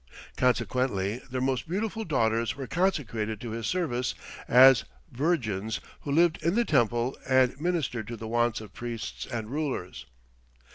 Consequently their most beautiful daughters were consecrated to his service, as "Virgins" who lived in the temple and ministered to the wants of priests and rulers.